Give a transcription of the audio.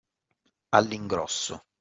All’ingrosso